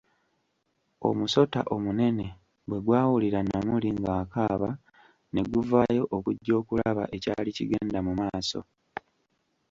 Omusota omunene bwe gw'awulira Namuli ng'akaaba ne guvayo okujja okulaba ekyali kigenda mu maaso.